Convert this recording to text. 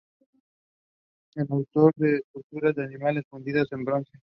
Es autor de esculturas de animales fundidas en bronce.